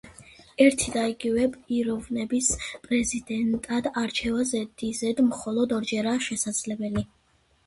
ერთი და იგივე პიროვნების პრეზიდენტად არჩევა ზედიზედ მხოლოდ ორჯერაა შესაძლებელი.